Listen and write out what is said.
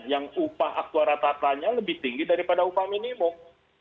yang upah aktua rata ratanya lebih tinggi daripada upah minimum